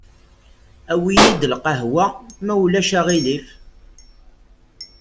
Awi-yi-d lqehwa, ma ulac aɣilif.